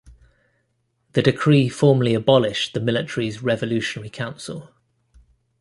The decree formally abolished the military's revolutionary council.